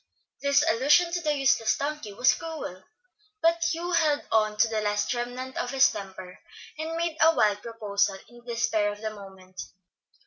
This allusion to the useless donkey was cruel, but Hugh held on to the last remnant of his temper, and made a wild proposal in the despair of the moment.